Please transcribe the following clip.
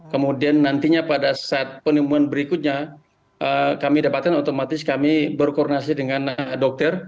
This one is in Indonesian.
kemudian nantinya pada saat penemuan berikutnya kami dapatkan otomatis kami berkoordinasi dengan dokter